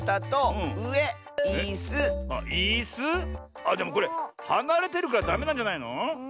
あっでもこれはなれてるからダメなんじゃないの？